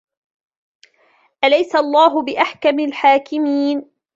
أليس الله بأحكم الحاكمين